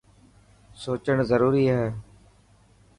سوچڻ ضروري هي.